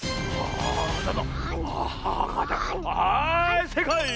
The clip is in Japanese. はいせいかい！